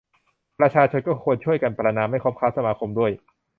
ประชาชนก็ควรช่วยกันประณาม ไม่คบค้าสมาคมด้วย